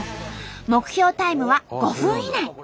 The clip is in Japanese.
目標タイムは５分以内。